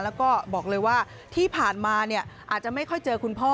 แล้วก็บอกเลยว่าที่ผ่านมาอาจจะไม่ค่อยเจอคุณพ่อ